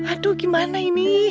aduh gimana ini